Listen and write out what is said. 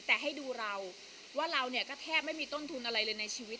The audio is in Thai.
แต่ให้ดูเราว่าเราเนี่ยก็แทบไม่มีต้นทุนอะไรเลยในชีวิต